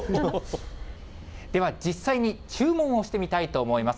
では実際に注文をしてみたいと思います。